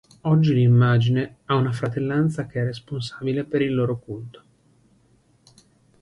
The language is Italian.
Oggi, l'immagine ha una fratellanza che è responsabile per il loro culto.